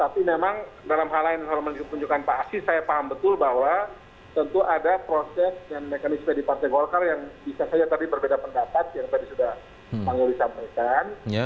tapi memang dalam hal lain hal yang ditunjukkan pak asis saya paham betul bahwa tentu ada proses dan mekanisme di partai golkar yang bisa saja tadi berbeda pendapat yang tadi sudah pak nguli sampaikan